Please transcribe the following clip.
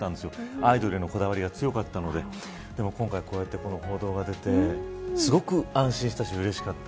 アイドルへのこだわりが強かったのででも今回、この報道が出てすごく安心したしうれしかった。